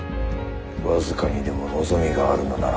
僅かにでも望みがあるのなら。